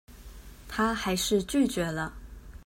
她還是拒絕了